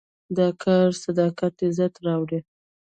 د کار صداقت عزت راوړي.